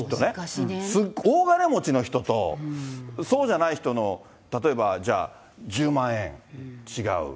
大金持ちの人と、そうじゃない人の例えばじゃあ、１０万円、違う。